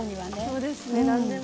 そうですね何でも。